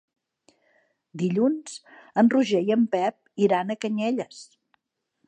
Dilluns en Roger i en Pep iran a Canyelles.